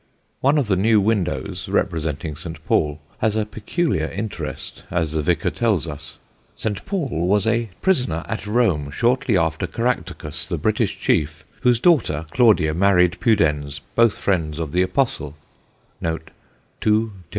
One of the new windows, representing St. Paul, has a peculiar interest, as the vicar tells us: "St. Paul was a prisoner at Rome shortly after Caractacus, the British Chief, whose daughter, Claudia, married Pudens, both friends of the Apostle (2 Tim.